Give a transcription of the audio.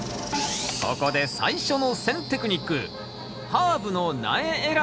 ここで最初の選テクニック